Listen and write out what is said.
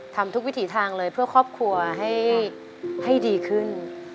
ทำทุกวิถีทางเลยเพื่อครอบครัวให้ดีขึ้น